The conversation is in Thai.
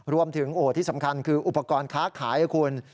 รวมถึงที่สำคัญคืออุปกรณ์ค้าขายนะคุณ